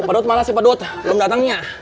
si pedut malas si pedut belum datangnya